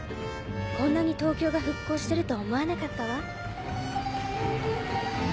こんなに東京が復興してると思わなかったわ。